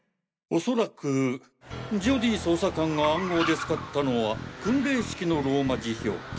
恐らくジョディ捜査官が暗号で使ったのは訓令式のローマ字表記